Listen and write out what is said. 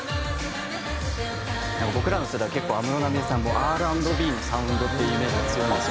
「僕らの世代は結構安室奈美恵さんもＲ＆Ｂのサウンドっていうイメージが強いんですよね」